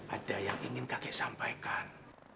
ada yang ingin kakek sampaikan